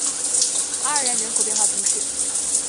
阿尔然人口变化图示